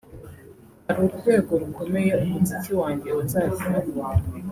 hari urwego rukomeye umuziki wanjye uzageraho